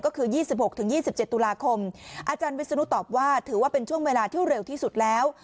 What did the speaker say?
ก็คือ๒๖๒๗ตุลาคมอาจารย์วิศนุตอบว่าถือว่าเป็นช่วงเวลาที่เร็วที่สุดแล้ว